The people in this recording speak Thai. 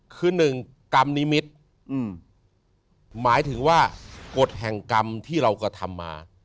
คือหนึ่งกรรมนิมิตรหมายถึงว่ากฎแห่งกรรมที่เรากระทำมา